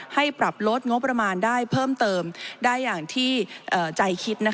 ให้ปรับลดงบประมาณได้เพิ่มเติมได้อย่างที่ใจคิด